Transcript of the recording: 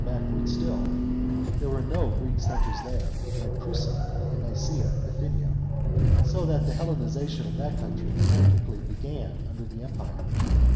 107 backward still There were no Greek centres there, like Prusa and Nicsea in Bithynia; so that the Hellenisation of that country practically began under the Empire.